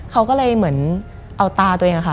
เขาก็เลยเหมือนเอาตาตัวเองค่ะ